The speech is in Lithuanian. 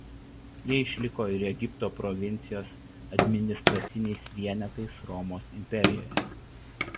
Jie išliko ir Egipto provincijos administraciniais vienetais Romos imperijoje.